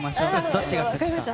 どっちが勝ちか。